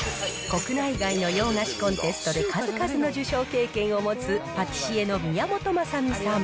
国内外の洋菓子コンテストで数々の受賞経験を持つパティシエの宮本雅巳さん。